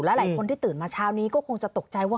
หลายคนที่ตื่นมาเช้านี้ก็คงจะตกใจว่า